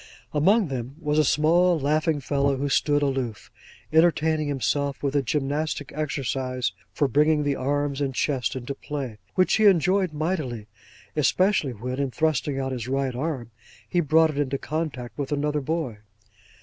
Among them was a small laughing fellow, who stood aloof, entertaining himself with a gymnastic exercise for bringing the arms and chest into play; which he enjoyed mightily; especially when, in thrusting out his right arm, he brought it into contact with another boy.